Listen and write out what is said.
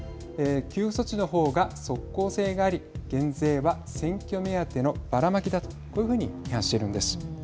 給付措置のほうが即効性があり減税は選挙目当てのバラマキだとこういうふうに批判しているんです。